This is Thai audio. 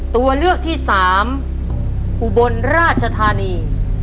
ตัวเลือกที่สามอุบลราชธานี